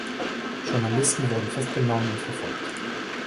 Journalisten wurden festgenommen und verfolgt.